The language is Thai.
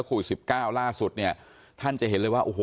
สำหรับสิบเก้าร่าดสุดเนี้ยท่านจะเห็นเลยว่าโอ้โห